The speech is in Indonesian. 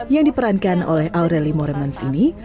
yang diperankan oleh aurelie moremans ini